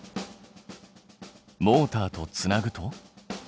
モーターとつなぐと？